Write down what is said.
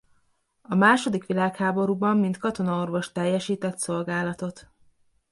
A második világháborúban mint katonaorvos teljesített szolgálatot.